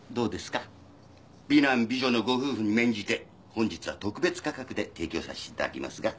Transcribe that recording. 美男美女のご夫婦に免じて本日は特別価格で提供させていただきますが。